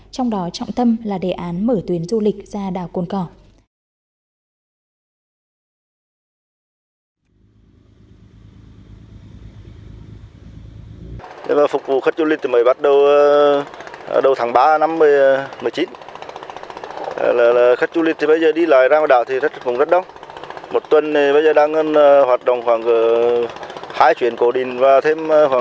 trong đó trọng tâm là đề án mở tuyến du lịch ra đảo cồn cỏ